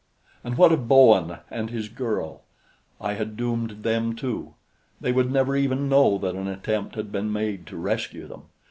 And what of Bowen and his girl? I had doomed them too. They would never even know that an attempt had been made to rescue them.